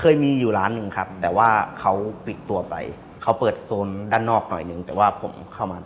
เคยมีอยู่ร้านหนึ่งครับแต่ว่าเขาปิดตัวไปเขาเปิดโซนด้านนอกหน่อยหนึ่งแต่ว่าผมเข้ามา